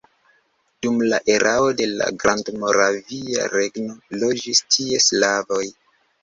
Dum la erao de la Grandmoravia Regno loĝis tie slavoj.